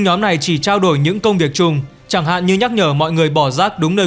nhóm này chỉ trao đổi những công việc chung chẳng hạn như nhắc nhở mọi người bỏ rác đúng nơi